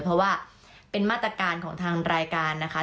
เพราะว่าเป็นมาตรการของทางรายการนะคะ